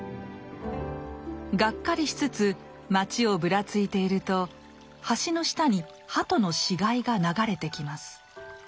がっかりしつつ街をぶらついていると橋の下に鳩の死骸が流れてきます。